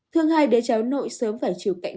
thương hai đứa cháu nội sớm phải chịu cạnh